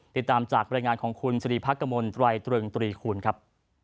ติดตามจากรายงานของคุณศรีพกมลตรวยเตือน๓คูณครับ